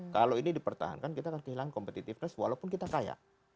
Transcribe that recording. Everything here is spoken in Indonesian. kalau ini dipertahankan kita akan kehilangan competitiveness walaupun kita kaya